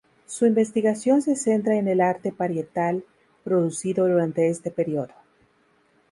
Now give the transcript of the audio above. Su investigación se centra en el arte parietal producido durante este periodo.